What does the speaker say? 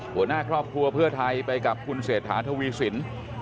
หัวหน้าครอบครัวเพื่อไทยไปกับคุณเศรษฐาทวีสิน